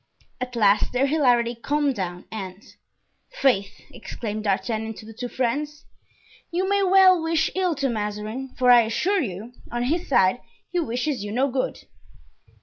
At last their hilarity calmed down and: "Faith!" exclaimed D'Artagnan to the two friends, "you may well wish ill to Mazarin; for I assure you, on his side he wishes you no good."